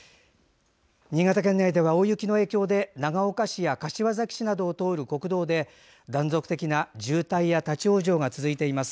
新潟県内では大雪の影響で長岡市や柏崎市を通る国道で断続的な渋滞、立往生が続いています。